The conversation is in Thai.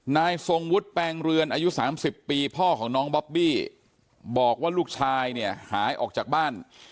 นายทรงวุฒิแปลงเรือนอายุ๓๐ปีพ่อของน้องบอบบี้บอกว่าลูกชายเนี่ยหายออกจากบ้าน